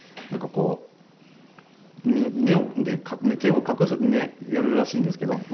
なんかこう目を手で隠すやるらしいんですけど。